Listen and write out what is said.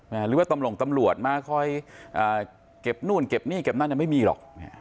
หรือว่าตำรวจมาคอยเก็บนู่นเก็บนี่เก็บนั่นไม่มีหรอก